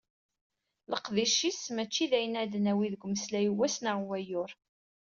Leqdic-is mačči d ayen ad d-nawi deg umeslay n wass neɣ wayyur.